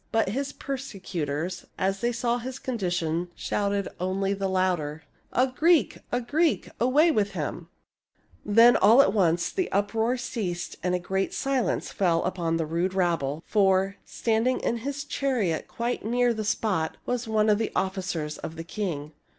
But his per secutors, as they saw his condition, shouted only the louder, " A Greek ! a Greek ! Away with him !" Then, all at once, the uproar ceased and a great silence fell upon the rude rabble ; for, standing in his chariot quite near the spot, was one of the officers of the king.